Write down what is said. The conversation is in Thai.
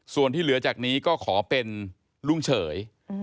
ส่วนที่เหลือจากนี้ก็ขอเป็นลุงเฉย